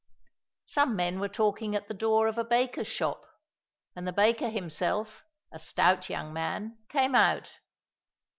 Some men were talking at the door of a baker's shop, and the baker himself, a stout young man, came out.